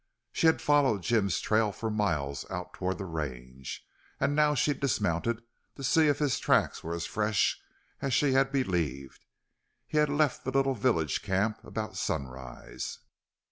She had followed Jim's trail for miles out toward the range. And now she dismounted to see if his tracks were as fresh as she had believed. He had left the little village camp about sunrise.